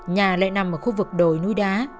nhà lại nằm ở khu vực đồi núi đá